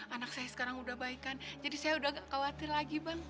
anak saya sekarang udah baikan jadi saya udah agak khawatir lagi bang